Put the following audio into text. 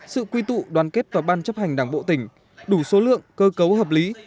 sự quy tụ đoàn kết vào ban chấp hành đảng bộ tỉnh đủ số lượng cơ cấu hợp lý